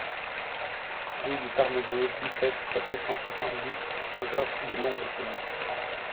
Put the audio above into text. Rue du Parmeneau, dix-sept, quatre cent soixante-dix Saint-Georges-de-Longuepierre